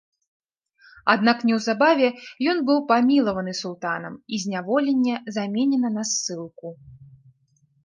Аднак неўзабаве ён быў памілаваны султанам і зняволенне заменена на ссылку.